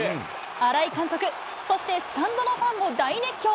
新井監督、そしてスタンドのファンも大熱狂。